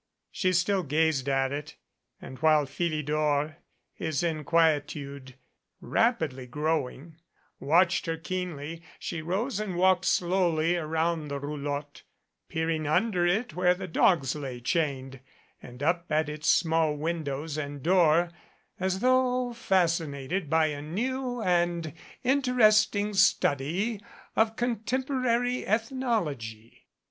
Still she gazed at it, and while Philidor, his inquietude rapidly growing, watched her keenly, she rose and walked slowly around the rotdotte, peering under it where 206 MOUNTEBANKS the dogs lay chained, and up at its small windows and door as though fascinated by a new and interesting study of contemporary ethnology.